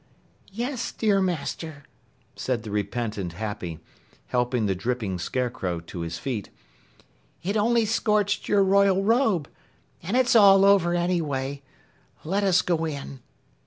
"Yes, dear Master," said the repentant Happy, helping the dripping Scarecrow to his feet, "it only scorched your royal robe. And it's all over, anyway. Let us go in."